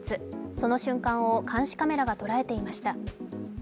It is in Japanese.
その瞬間を監視カメラが捉えていました。